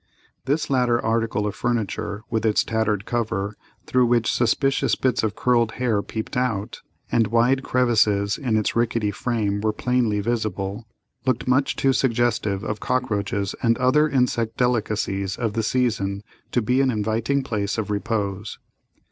This latter article of furniture, with its tattered cover, through which suspicious bits of curled hair peeped out, and wide crevices in its rickety frame were plainly visible, looked much too suggestive of cockroaches and other insect delicacies of the season to be an inviting place of repose.